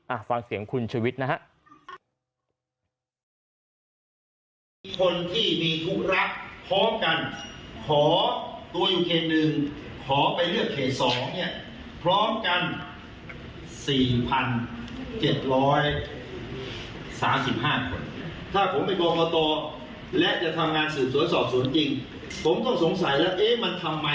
ฟังเสียงคุณชุวิตนะฮะ